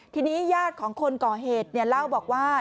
ทีนี้ญาติของคนก่อเหตุเล่าบอกว่า